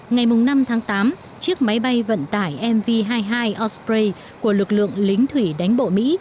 ngày năm tháng tám chiếc máy bay vận tải mv hai mươi hai osprey của lực lượng lính thủy đánh bộ mỹ